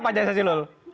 pak jaisa cilul